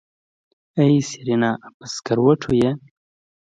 ای سېرېنا په سکروټو يې.